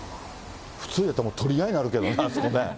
普通やったら取り合いになるけどな、あそこね。